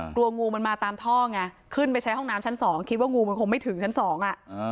กลัวงูมันมาตามท่อไงขึ้นไปใช้ห้องน้ำชั้นสองคิดว่างูมันคงไม่ถึงชั้นสองอ่ะ